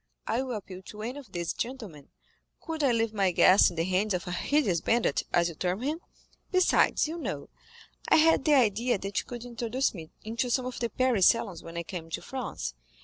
I will appeal to any of these gentlemen, could I leave my guest in the hands of a hideous bandit, as you term him? Besides, you know, I had the idea that you could introduce me into some of the Paris salons when I came to France.